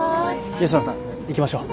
吉野さん行きましょう。